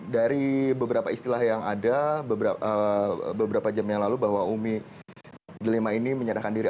dari beberapa istilah yang ada beberapa jam yang lalu bahwa umi delima ini menyerahkan diri